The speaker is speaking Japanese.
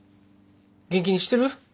元気にしてる？